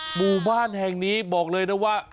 หมู่บ้านแห่งนี้บอกเลยนะว่า